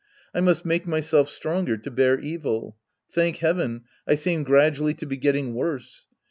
^ I must make myself stronger to bear evil. Thank heaven, I seem gradually to be getting worse.